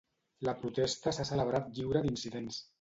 La protesta s'ha celebrat lliure d'incidents.